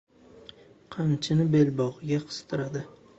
Qamchini belbog‘iga qistirdi.